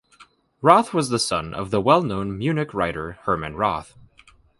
Roth was the son of the well-known Munich writer Hermann Roth.